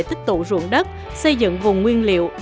tích tụ ruộng đất xây dựng vùng nguyên liệu